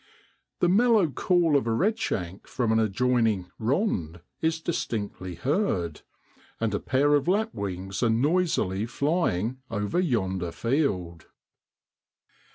The mellow call of a redshank from an adjoining ' rond' is distinctly heard; and a pair of lapwings are noisily flying over yonder field.